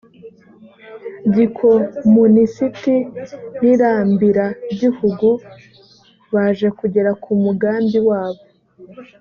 gikomunisiti n inambiragihugu baje kugera ku mugambi wabo